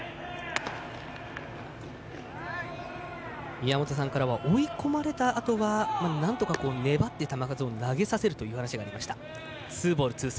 宮本さんからは追い込まれたあとは粘って球数を投げさせるという話がありました。